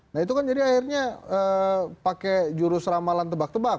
nah itu kan jadi akhirnya pakai jurus ramalan tebak tebak